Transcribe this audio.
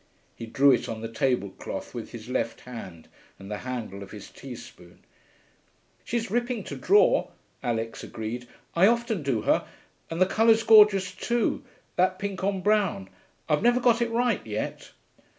He drew it on the tablecloth with his left hand and the handle of his teaspoon. 'She's ripping to draw,' Alix agreed. 'I often do her. And the colour's gorgeous, too that pink on brown. I've never got it right yet.'